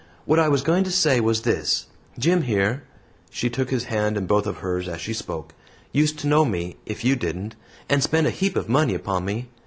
What I was going to say was this: Jim here" she took his hand in both of hers as she spoke "used to know me, if you didn't, and spent a heap of money upon me.